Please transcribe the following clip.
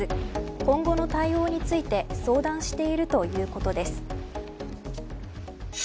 今後の対応について相談しているということです。